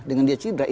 dengan dya cidra